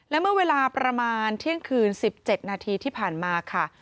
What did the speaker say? และเมื่อเวลาประมาณเที่ยงคืน๑๗นาทีที่ผ่านมาค่ะ